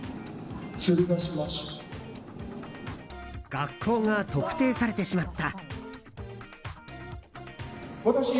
学校が特定されてしまった。